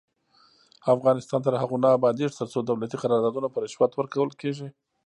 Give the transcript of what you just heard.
افغانستان تر هغو نه ابادیږي، ترڅو دولتي قراردادونه په رشوت ورکول کیږي.